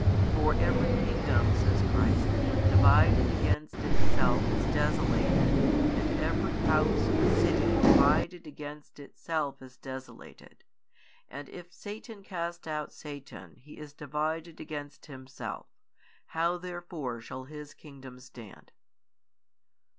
For every kingdom (says Christ) divided against itself is desolated and every house and city divided against itself is desolated. And if Satan cast out Satan he is divided against himself; how therefore shall his kingdom stand?